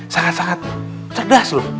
sangat sangat cerdas loh